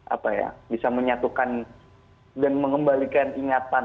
apa ya bisa menyatukan dan mengembalikan ingatan